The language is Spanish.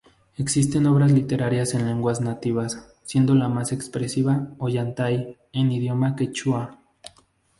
Existen obras literarias en lenguas nativas, siendo la más expresiva Ollantay en idioma quechua.